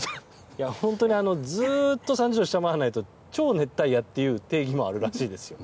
本当にずっと３０度を下回らないと超熱帯夜という定義もあるらしいですよ。